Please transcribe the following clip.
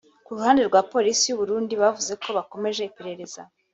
Ku ruhande rwa Polisi y’u Burundi bavuze ko bakomeje iperereza